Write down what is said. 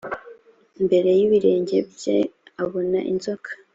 imbere y ibirenge bye abona inzoka